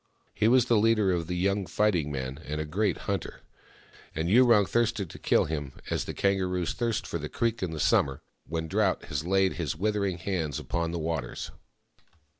He was the leader of the young fighting men, and a great hunter ; and Yurong thirsted to kill him, as the kangaroos thirst for the creeks in summer, when 140 THE MAIDEN WHO FOUND THE MOON Drought has laid his withering hand upon the waters.